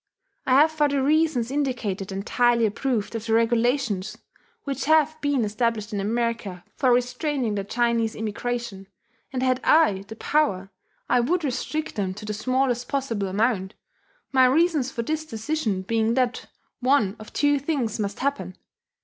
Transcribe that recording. I have for the reasons indicated entirely approved of the regulations which have been established in America for restraining the Chinese immigration, and had I the power I would restrict them to the smallest possible amount, my reasons for this decision being that one of two things must happen.